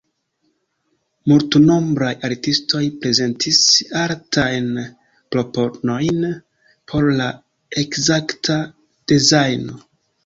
Multnombraj artistoj prezentis artajn proponojn por la ekzakta dezajno.